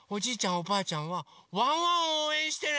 おばあちゃんはワンワンをおうえんしてね！